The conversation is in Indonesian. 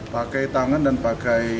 pakai tangan dan pakai